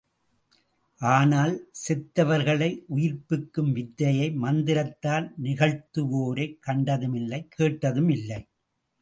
ஆனால், செத்தவர்களை உயிர்ப்பிக்கும் வித்தையை மந்திரத்தால் நிகழ்த்துவோரைக் கண்டதுமில்லை கேட்டதுமில்லை.